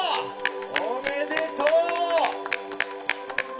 ・おめでとう！